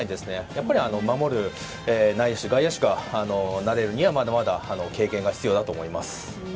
やっぱり守る内野手、外野手が慣れるにはまだまだ経験が必要だと思います。